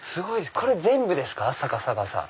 これ全部ですか？